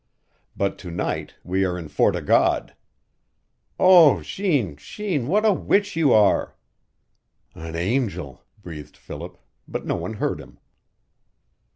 But to night we are in Fort o' God. Oh, Jeanne, Jeanne, what a witch you are!" "An angel!" breathed Philip, but no one heard him.